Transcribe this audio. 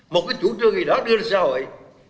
một cái chủ trương gì đó đưa ra sao vậy